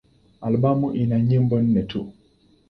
Albamu ina nyimbo nne tu.